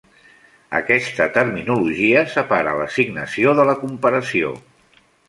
Aquesta terminologia separa l'assignació de la comparació.